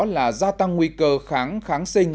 là gia tăng nguy cơ kháng kháng sinh